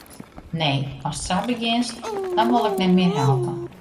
Nee, ast sa begjinst, dan wol ik net mear helpe.